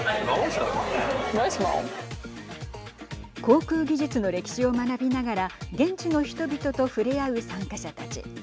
航空技術の歴史を学びながら現地の人々と触れ合う参加者たち。